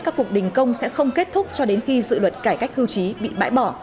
các cuộc đình công sẽ không kết thúc cho đến khi dự luật cải cách hưu trí bị bãi bỏ